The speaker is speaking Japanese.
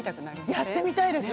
やってみたいです。